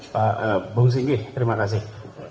pak bungsinggi terima kasih